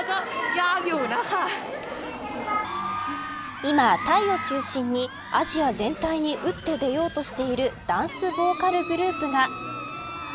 今、タイを中心にアジア全体に打って出ようとしているダンスボーカルグループが。